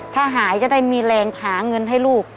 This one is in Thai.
ถ้าหายจะได้มีแรงหาเงินให้ลูก